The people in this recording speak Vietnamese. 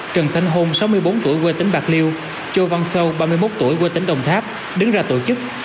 trần thánh hôn sáu mươi bốn tuổi quê tính bạc liêu châu văn sâu ba mươi một tuổi quê tính đồng tháp đứng ra tổ chức